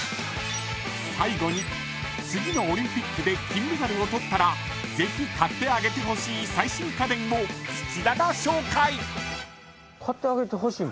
［最後に次のオリンピックで金メダルを取ったらぜひ買ってあげてほしい最新家電を土田が紹介！］